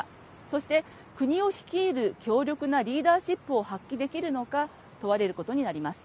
そして、国を率いる強力なリーダーシップを発揮できるのか問われることになります。